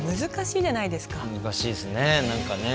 難しいですねなんかね。